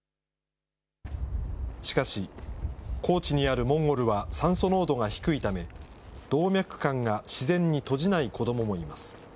しかし、高地にあるモンゴルは酸素濃度が低いため、動脈管が自然に閉じない子どももいます。